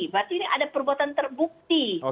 berarti ini ada perbuatan terbukti